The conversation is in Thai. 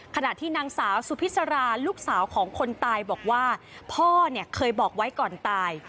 ขณะที่นางสาวสุพิษราลูกสาวของคนตายบอกว่าพ่อเนี่ยเคยบอกไว้ก่อนตาย